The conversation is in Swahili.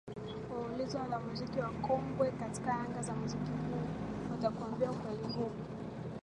Waulize wanamuziki wakongwe katika anga za muziki huu watakwambia ukweli huu